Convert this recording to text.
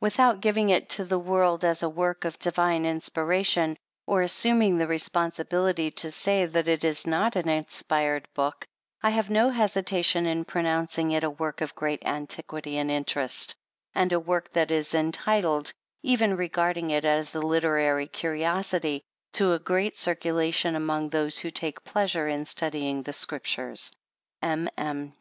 Without giving it to the world as a work of Divine inspiration, or as suming the responsibility to say that it is not an inspired book, I have no hesitation in pronouncing it a work of great antiquity and interest, and a work that is entitled, even regarding it as a literary curiosity, to a great circulation among those who take pleasure in studying the Scriptures. M. M.